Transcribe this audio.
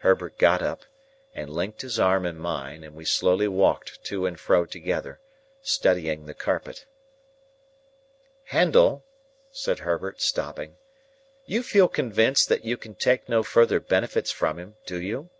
Herbert got up, and linked his arm in mine, and we slowly walked to and fro together, studying the carpet. "Handel," said Herbert, stopping, "you feel convinced that you can take no further benefits from him; do you?"